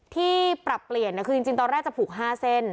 ที่ปรับเปลี่ยนคือจริงตอนแรกจะผูก๕เส้น